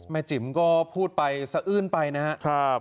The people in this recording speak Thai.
จิ๋มก็พูดไปสะอื้นไปนะครับ